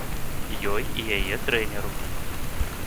Ёй і яе трэнеру.